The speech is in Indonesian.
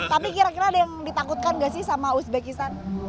tapi kira kira ada yang ditakutkan gak sih sama uzbekistan